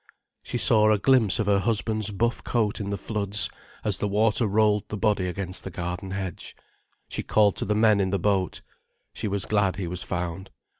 She saw a glimpse of her husband's buff coat in the floods, as the water rolled the body against the garden hedge. She called to the men in the boat. She was glad he was found.